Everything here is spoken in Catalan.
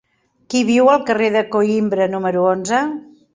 Qui viu al carrer de Coïmbra número onze?